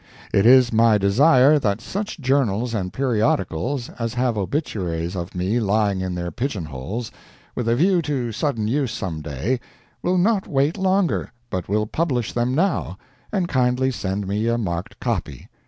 It is my desire that such journals and periodicals as have obituaries of me lying in their pigeonholes, with a view to sudden use some day, will not wait longer, but will publish them now, and kindly send me a marked copy.